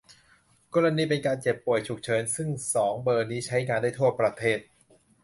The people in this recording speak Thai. กรณีเป็นการเจ็บ ป่วย ฉุกเฉิน ซึ่ง สอง เบอร์นี้ใช้งานได้ทั่วประเทศ